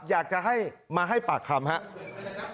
อยากจะให้มาให้ปากคำครับ